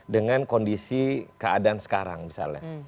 dengan kondisi keadaan sekarang misalnya